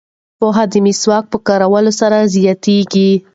پوهه د مسواک په کارولو سره زیاتیږي.